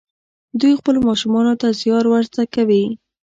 دوی خپلو ماشومانو ته زیار ور زده کوي.